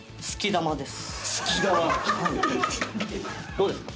どうですか？